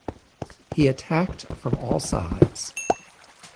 He attacked from all sides.